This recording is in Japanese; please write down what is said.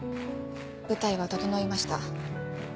舞台は整いました。